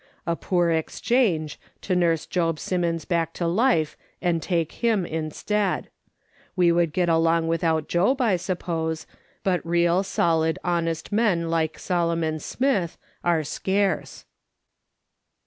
A poor exchange, to niu'se Job Simmons back to life and take him instead. AVe could get along without Job, I suppose, but real solid honest men like Solomon Smith are scarce."